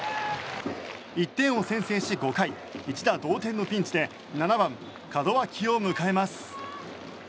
１点を先制し５回、一打同点のピンチで７番、門脇を迎えます。